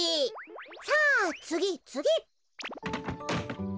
さあつぎつぎ！